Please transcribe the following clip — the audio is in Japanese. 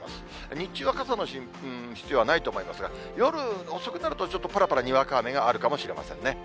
日中は傘の必要はないと思いますが、夜遅くなると、ちょっとぱらぱらにわか雨があるかもしれませんね。